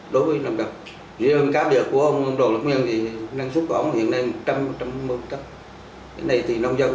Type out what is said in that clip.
đối với người dân có thể tự khai thác vùng nước ngầm lỡ mà tưới cho miếng